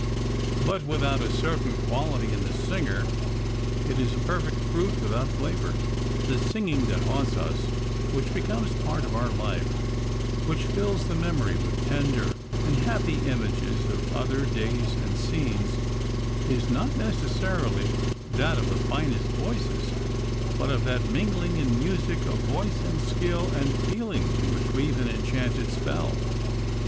But without a certain quality in the singer it is a perfect fruit without flavor. The singing that haunts us, which becomes part of our life, which fills the memory with tender and happy images of other days and scenes, is not necessarily that of the finest voices, but of that mingling in music of voice and skill and feeling which weave an enchanted spell.